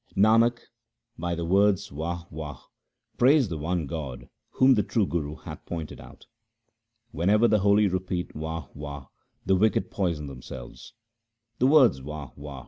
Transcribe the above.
Nanak, by the words Wah ! Wah ! praise the one God whom the true Guru hath pointed out. Whenever the holy repeat Wah ! Wah ! the wicked poison themselves. The words Wah ! Wah !